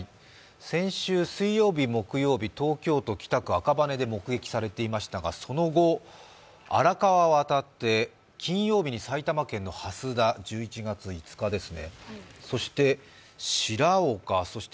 先週水曜日、木曜日、東京都北区、荒川区で目撃されていましたがその後、荒川渡って金曜日に埼玉県の蓮田、１１月５日ですね。